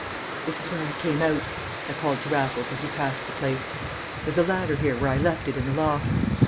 "This is where I came out," I called to Raffles as he passed the place. "There's a ladder here where I left it in the loft!"